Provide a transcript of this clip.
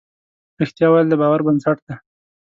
رښتیا ویل د باور بنسټ دی.